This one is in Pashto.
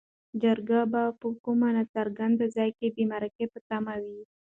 چرګه به په کوم ناڅرګند ځای کې د مرګ په تمه وي.